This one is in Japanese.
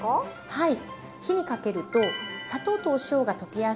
はい。